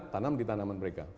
tanam di tanaman mereka